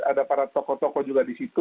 ada para tokoh tokoh juga disitu